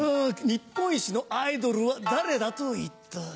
日本一のアイドルは誰だと言った？